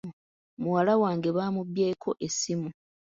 Muwala wange baamubbyeko essimu.